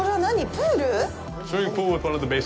プール？